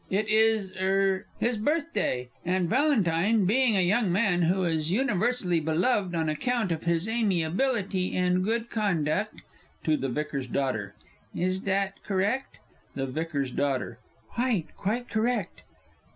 It is er his birthday, and Valentine, being a young man who is universally beloved on account of his amiability and good conduct (To the VICAR'S D. "Is that correct?" THE V.'S D. "Quite, quite correct!")